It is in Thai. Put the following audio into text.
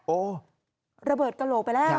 โอ้โหระเบิดกระโหลกไปแล้ว